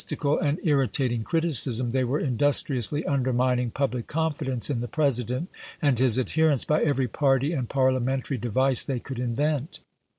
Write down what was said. cal and irritating criticism, they were industriously undermining public confidence in the President and his adherents by every party and parliamen tary device they could invent.